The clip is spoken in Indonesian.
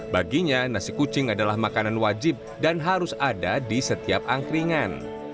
baginya nasi kucing adalah makanan wajib dan harus ada di setiap angkringan